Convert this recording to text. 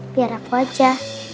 biar aku aja